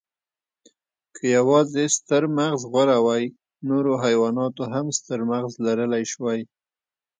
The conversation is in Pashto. که یواځې ستر مغز غوره وی، نورو حیواناتو هم ستر مغز لرلی شوی.